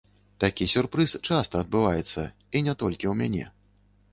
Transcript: Такі сюрпрыз часта адбываецца, і не толькі ў мяне.